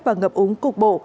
và ngập úng cục bộ